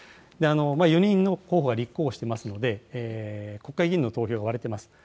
４人の候補が立候補していますので、国会議員の投票は割れてます。